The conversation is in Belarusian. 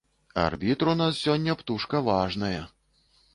Арбітр у нас сёння птушка важная.